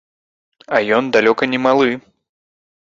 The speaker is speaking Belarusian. А ён далёка не малы.